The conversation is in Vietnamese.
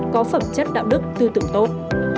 có phẩm chất đạo đức tư tưởng tốt